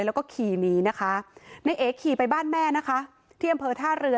แล้วก็ขี่หนีนะคะในเอขี่ไปบ้านแม่นะคะที่อำเภอท่าเรือ